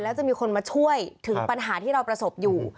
แล้วจะมีคนมาช่วยถึงปัญหาที่เราประสบอยู่